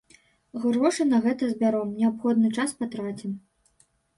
Грошы на гэта збяром, неабходны час патрацім.